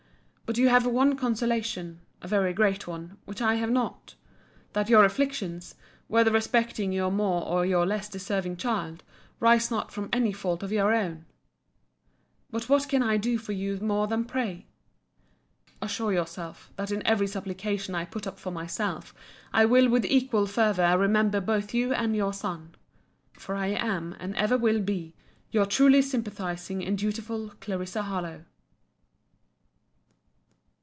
But you have one consolation (a very great one) which I have not:—That your afflictions, whether respecting your more or your less deserving child, rise not from any fault of your own. But what can I do for you more than pray?—Assure yourself, that in every supplication I put up for myself, I will with equal fervour remember both you and your son. For I am and ever will be Your truly sympathising and dutiful CLARISSA HARLOWE.